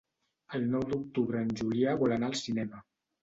El nou d'octubre en Julià vol anar al cinema.